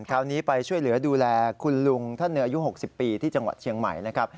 คราวนี้ไปช่วยเหลือดูแลคุณลุงท่านหนึ่งอายุ๖๐ปีที่จังหวัดเชียงใหม่นะครับ